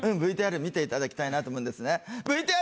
ＶＴＲ見ていただきたいなと思うんですね。